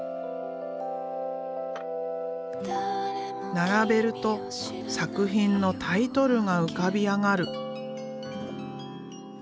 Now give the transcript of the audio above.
並べると作品のタイトルが浮かび上がる。